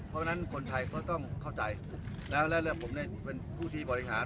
เพราะฉะนั้นคนไทยเขาต้องเข้าใจแล้วแล้วผมเนี่ยเป็นผู้ที่บริหาร